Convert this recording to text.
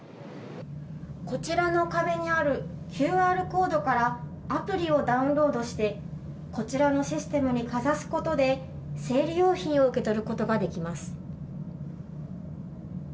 こちらの壁にあるＱＲコードからアプリをダウンロードしてこちらのシステムにかざすことで生理用品を受け取ることができます。